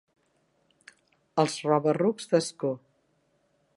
Els roba-rucs d'Ascó.